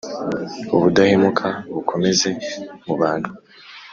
ubudahemuka bukomeze mu bantu